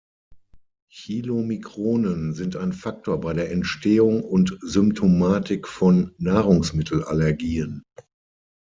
Chylomikronen sind ein Faktor bei der Entstehung und Symptomatik von Nahrungsmittelallergien.